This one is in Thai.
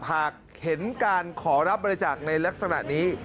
หากเห็นการขอรับบริจาคในลักษณะนี้